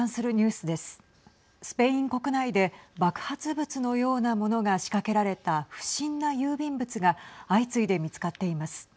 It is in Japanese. スペイン国内で爆発物のような物が仕掛けられた不審な郵便物が相次いで見つかっています。